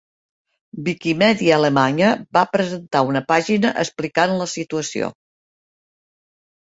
Wikimedia Alemanya va presentar una pàgina explicant la situació.